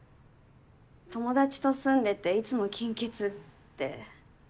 友達と住んでていつも金欠って。